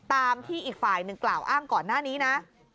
ตามที่อีกฝ่ายหนึ่งกล่าวอ้างก่อนหน้านี้นะ